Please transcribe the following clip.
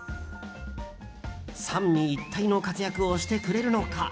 三位一体の活躍をしてくれるのか。